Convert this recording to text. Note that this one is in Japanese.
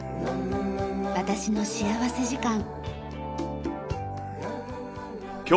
『私の幸福時間』。